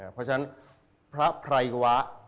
เพราะฉะนั้นพระไพรวะ